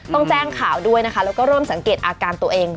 ต้องแจ้งข่าวด้วยนะคะแล้วก็เริ่มสังเกตอาการตัวเอง